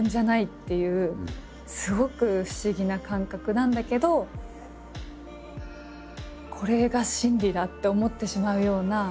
っていうすごく不思議な感覚なんだけどこれが真理だと思ってしまうような。